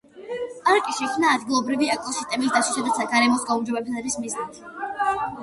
პარკი შეიქმნა ადგილობრივი ეკოსისტემის დაცვისა და გარემოს გაუმჯობესების მიზნით.